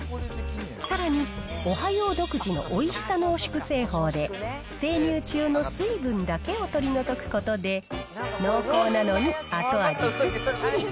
さらに、オハヨー独自のおいしさ濃縮製法で、生乳中の水分だけを取り除くことで、濃厚なのに後味すっきり。